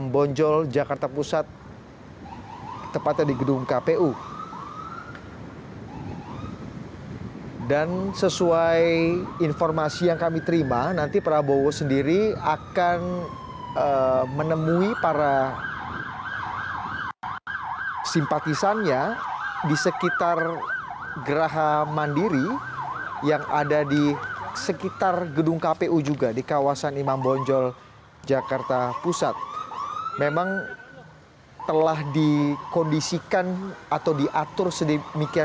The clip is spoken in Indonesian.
berita terkini mengenai cuaca ekstrem dua ribu dua puluh satu